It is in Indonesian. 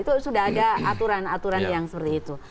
itu sudah ada aturan aturan yang seperti itu